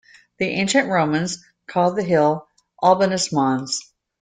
The ancient Romans called the hill Albanus Mons.